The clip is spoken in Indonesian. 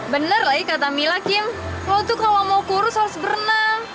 bener loh kata mila kim lo tuh kalau mau kurus harus berenang